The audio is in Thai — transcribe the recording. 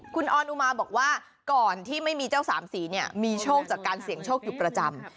คุณออนอุมาบอกว่าก่อนที่ไม่มีเจ้าสามสีเนี่ยมีโชคจากการเสี่ยงโชคอยู่ประจำ